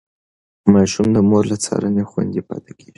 ماشوم د مور له څارنې خوندي پاتې کېږي.